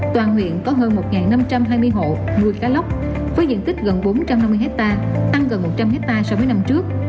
toàn huyện có hơn một năm trăm hai mươi hộ nuôi cá lóc với diện tích gần bốn trăm năm mươi hectare tăng gần một trăm linh hectare so với năm trước